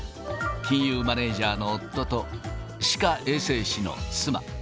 金融マネージャーの夫と、歯科衛生士の妻。